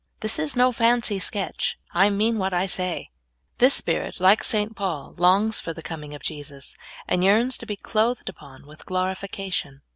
This is no fancy sketch ; I mean what I say. This spirit, like St. Paul, longs for the coming of Jesus, and j earns to be clothed upon with glorification.